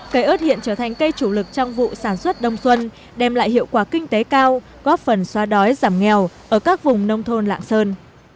cây ớt hiện trở thành cây chủ lực trong vụ sản xuất đông xuân đem lại hiệu quả kinh tế cao góp phần xoa đói giảm nghèo ở các vùng nông thôn lạng sơn